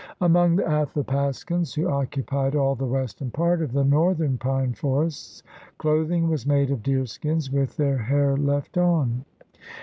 Among the Athapascans who occupied all the western part of the northern pine forests, clothing was made of deerskins with the hair left on.